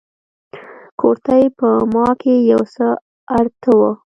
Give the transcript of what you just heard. کورتۍ په ما کښې يو څه ارته وه.